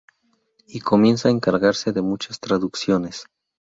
Y comienza a encargarse de muchas traducciones.